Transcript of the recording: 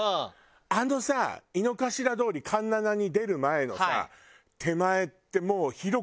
あのさ井ノ頭通り環七に出る前のさ手前ってもう広くなった？